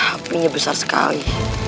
apinya besar sekali